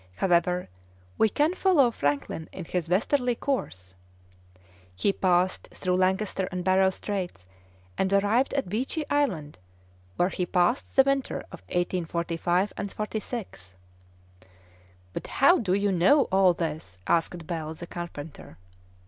However, we can follow Franklin in his westerly course: he passed through Lancaster and Barrow Straits, and arrived at Beechey Island, where he passed the winter of 1845 and '46." "But how do you know all this?" asked Bell, the carpenter.